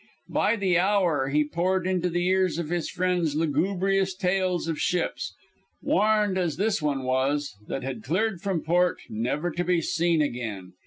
By the hour he poured into the ears of his friends lugubrious tales of ships, warned as this one was, that had cleared from port, never to be seen again.